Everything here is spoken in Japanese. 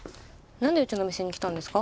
何でうちのお店に来たんですか？